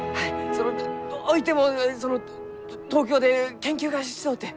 そのどういてもその東京で研究がしとうて。